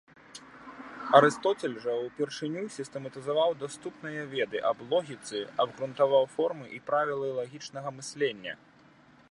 Арыстоцель жа ўпершыню сістэматызаваў даступныя веды аб логіцы, абгрунтаваў формы і правілы лагічнага мыслення.